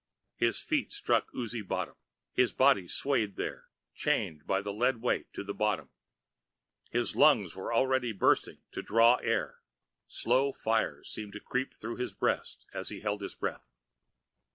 His feet struck oozy bottom. His body swayed there, chained by the lead weight to the bottom. His lungs already were bursting to draw in air, slow fires seeming to creep through his breast as he held his breath.